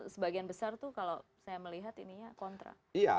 sebagian besar tuh kalau saya melihat ininya kontra